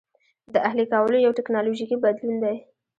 د اهلي کولو یو ټکنالوژیکي بدلون دی.